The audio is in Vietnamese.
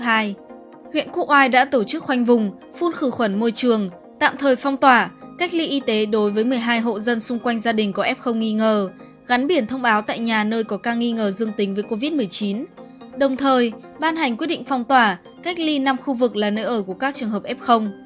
huyện quốc oai đã tổ chức khoanh vùng phun khử khuẩn môi trường tạm thời phong tỏa cách ly y tế đối với một mươi hai hộ dân xung quanh gia đình có f nghi ngờ gắn biển thông báo tại nhà nơi có ca nghi ngờ dương tính với covid một mươi chín đồng thời ban hành quyết định phong tỏa cách ly năm khu vực là nơi ở của các trường hợp f